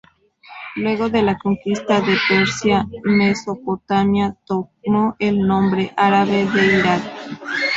Luego de la conquista de Persia, Mesopotamia tomó el nombre árabe de Irak.